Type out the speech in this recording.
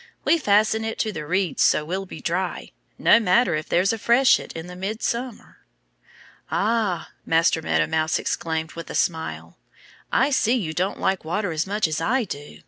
We fasten it to the reeds so we'll be dry, no matter if there's a freshet in midsummer." "Ah!" Master Meadow Mouse exclaimed with a smile. "I see you don't like water as much as I do.